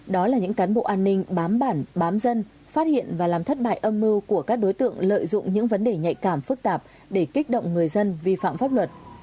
đó là những cán bộ an ninh bám bản bám dân phát hiện và làm thất bại âm mưu của các đối tượng lợi dụng những vấn đề nhạy cảm phức tạp để kích động người dân vi phạm pháp luật